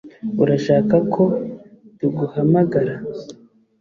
Urashaka ko tuguhamagara